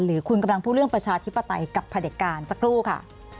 หรือคุณกำลังพูดเรื่องประชาธิปไตยกับพระเด็จการสักครู่ค่ะ